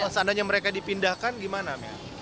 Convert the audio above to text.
kalau seandainya mereka dipindahkan gimana